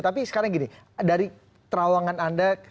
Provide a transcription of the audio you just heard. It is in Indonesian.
tapi sekarang gini dari terawangan anda